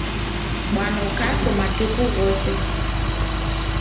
Bwana ukaso matuku ghose.